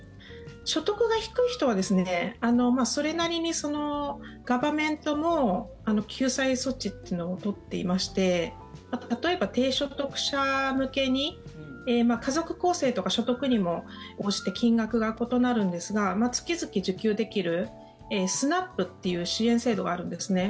所得が低い人はそれなりにガバメントも救済措置というのを取っていまして例えば、低所得者向けに家族構成とか所得にも応じて金額が異なるんですが月々受給できるＳＮＡＰっていう支援制度があるんですね。